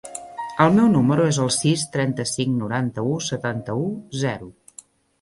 El meu número es el sis, trenta-cinc, noranta-u, setanta-u, zero.